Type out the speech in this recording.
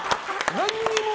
何にも。